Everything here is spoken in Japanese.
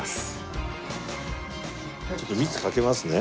ちょっとみつかけますね。